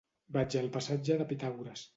Vaig al passatge de Pitàgores.